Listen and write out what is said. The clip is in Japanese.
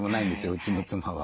うちの妻は。